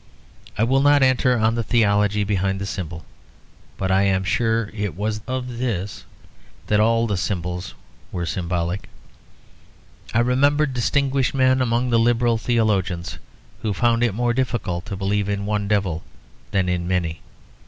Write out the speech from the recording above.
I will not enter on the theology behind the symbol; but I am sure it was of this that all the symbols were symbolic. I remember distinguished men among the liberal theologians, who found it more difficult to believe in one devil than in many.